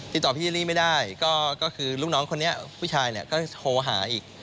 ติดต่อพี่เอลลี่ไม่ได้ก็คือลูกน้องคนนี้ผู้ชายเนี่ยก็โทรหาอีก